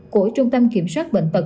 của trung tâm kiểm soát bệnh tật